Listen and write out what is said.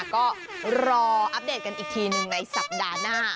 ก็รออัปเดตกันอีกทีหนึ่งในสัปดาห์หน้า